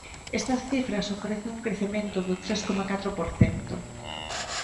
Estas cifras ofrecen un crecemento do tres coma catro por cento.